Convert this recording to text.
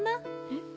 えっ？